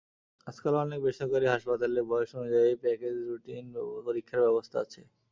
আজকাল অনেক বেসরকারি হাসপাতালে বয়স অনুযায়ী প্যাকেজ রুটিন পরীক্ষার ব্যবস্থা আছে।